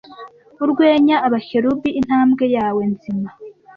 urwenya abakerubi intambwe yawe nzima